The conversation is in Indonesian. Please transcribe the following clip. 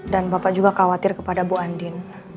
dan bapak juga khawatir kepada ibu andin